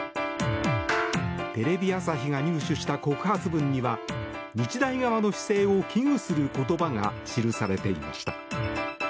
テレビ朝日が入手した告発文には日大側の姿勢を危惧する言葉が記されていました。